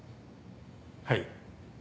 はい。